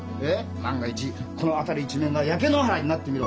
万が一この辺り一面が焼け野原になってみろ。